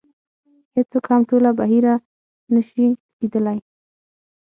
هېڅوک هم ټوله بحیره نه شي لیدلی .